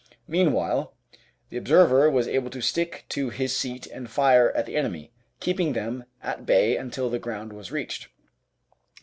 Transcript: Meanwhile the observer was able to stick to his seat and fire at the enemy, keeping them at bay until the ground was reached.